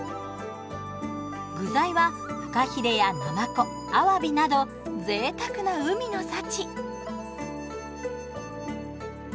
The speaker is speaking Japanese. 具材はフカヒレやナマコあわびなどぜいたくな海の幸。